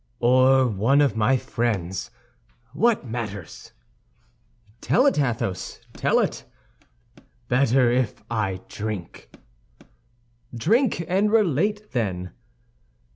"Or one of my friends, what matters?" "Tell it, Athos, tell it." "Better if I drink." "Drink and relate, then."